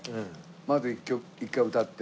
まず１回歌って。